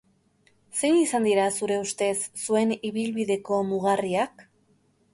Zein izan dira, zure ustez, zuen ibilbideko mugarriak?